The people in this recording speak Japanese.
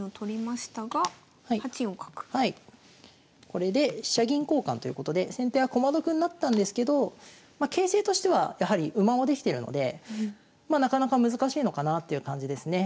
これで飛車銀交換ということで先手は駒得になったんですけど形勢としてはやはり馬もできてるのでなかなか難しいのかなという感じですね。